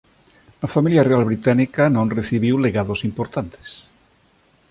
A familia real británica non recibiu legados importantes.